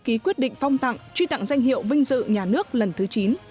ký quyết định phong tặng truy tặng danh hiệu vinh dự nhà nước lần thứ chín